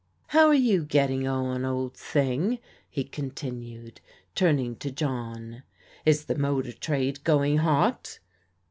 " How are you getting on, old thing?" he continued, turning to John. " Is the motor trade going hot?